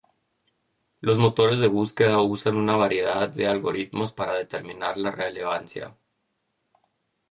Los motores de búsqueda usan una variedad de algoritmos para determinar la relevancia.